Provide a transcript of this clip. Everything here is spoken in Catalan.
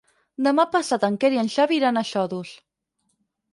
Demà passat en Quer i en Xavi iran a Xodos.